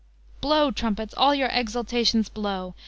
Blow, trumpets, all your exultations blow!